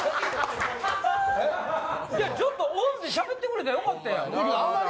ちょっとオンでしゃべってくれたらよかったやん。